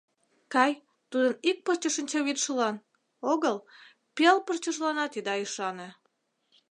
Кай, тудын ик пырче шинчавӱдшылан... огыл, пел пырчыжланат ида ӱшане.